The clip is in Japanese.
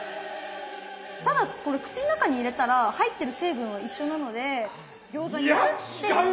ただこれ口の中に入れたら入ってる成分は一緒なので餃子かなっていう。